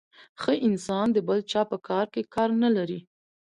ښه انسان د بل چا په کار کي کار نلري .